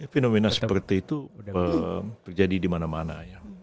fenomena seperti itu terjadi dimana mana